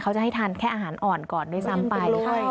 จะให้ทานแค่อาหารอ่อนก่อนด้วยซ้ำไป